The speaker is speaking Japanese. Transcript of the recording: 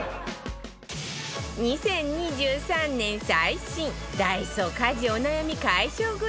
２０２３年最新ダイソー家事お悩み解消グッズ